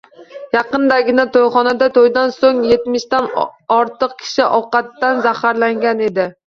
Yaqindagina toʻyxonada toʻydan soʻng etmishdan ortiq kishi ovqatdan zaharlangan edi.